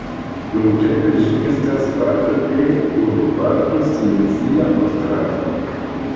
Nuntempe ĝi estas parto de urboparto Silezia Ostrava.